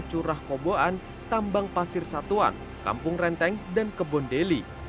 di kawasan surah koboan tambang pasir satuan kampung renteng dan kebun deli